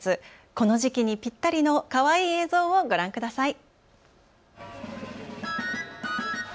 この時期にぴったりのかわいい映像をご覧ください。